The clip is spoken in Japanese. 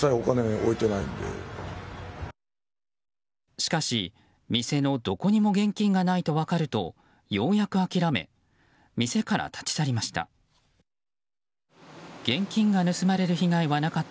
しかし、店のどこにも現金がないと分かるとようやく諦め店から立ち去りました。